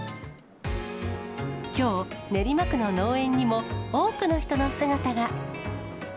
きょう、練馬区の農園にも多くの人の姿が。